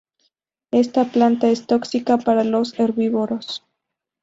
Esta planta es tóxica para los herbívoros.